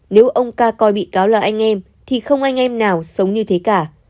nếu ông ca coi bị cáo là anh em thì không anh em nào sống như thế cả